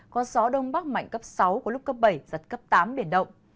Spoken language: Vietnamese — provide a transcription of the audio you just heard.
có gió đông bắc mạnh cấp sáu có lúc cấp bảy giật cấp tám biển động